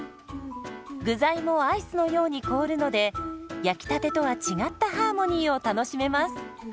具材もアイスのように凍るので焼きたてとは違ったハーモニーを楽しめます。